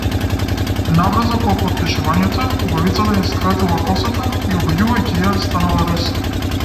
Набрзо по потпишувањето, убавицата ја скратила косата и обојувајќи ја станала руса.